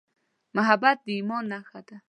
محبت د ایمان ښکلا ده.